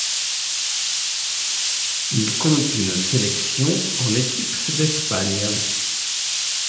Il compte une sélection en équipe d'Espagne.